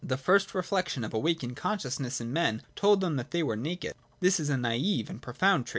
The first reflection of awakened consciousness in men told them that they were naked. This is a naive and profound trait.